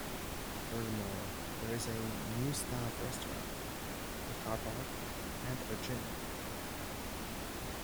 Furthermore, there is a new staff restaurant, a car park and a gym.